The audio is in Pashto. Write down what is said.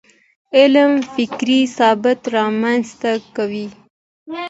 علم فکري ثبات رامنځته کوي.